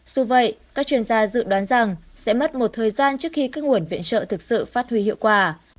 dù vậy các chuyên gia dự đoán rằng sẽ mất một thời gian trước khi các nguồn viện trợ thực sự phát huy hiệu quả